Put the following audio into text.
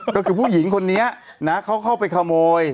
ก็คือผู้หญิงคนนี้นะเขาเข้าไปขโมย